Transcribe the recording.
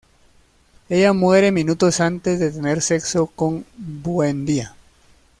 Ella muere minutos antes de tener sexo con Buendía.